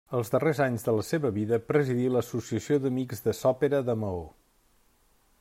Els darrers anys de la seva vida presidí l'Associació d'Amics de s'Òpera de Maó.